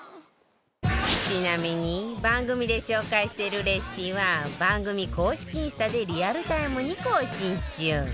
ちなみに番組で紹介しているレシピは番組公式インスタでリアルタイムに更新中